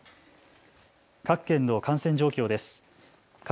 各県の感染状況です。